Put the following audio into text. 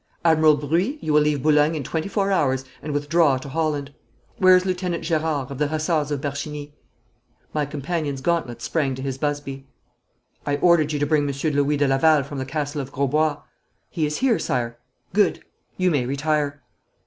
Admiral Bruix, you will leave Boulogne in twenty four hours and withdraw to Holland. Where is Lieutenant Gerard, of the Hussars of Bercheny?' My companion's gauntlet sprang to his busby. 'I ordered you to bring Monsieur Louis de Laval from the castle of Grosbois.' 'He is here, Sire.' 'Good! You may retire.'